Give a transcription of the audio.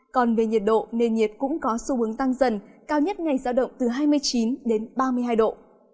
còn về nhiệt độ nền nhiệt cũng có xu hướng tăng dần cao nhất ngày giao động từ hai mươi chín đến ba mươi hai độ